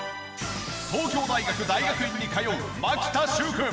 東京大学大学院に通う牧田習君。